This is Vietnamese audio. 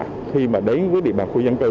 khi mà đến với địa bàn khu dân cư